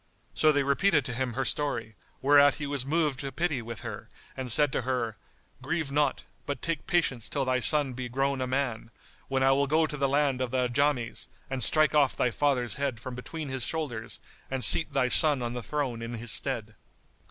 So they repeated to him her story; whereat he was moved to pity for her and said to her, "Grieve not, but take patience till thy son be grown a man, when I will go to the land of the Ajams and strike off thy father's head from between his shoulders and seat thy son on the throne in his stead."